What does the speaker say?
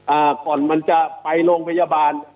อ่าก่อนมันจะไปโรงพยาบาล